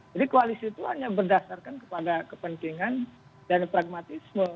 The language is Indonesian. jadi koalisi itu hanya berdasarkan kepada kepentingan dan pragmatisme